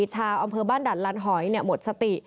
ชาวอำเภอบ้านดัดลันหอยหมดสติ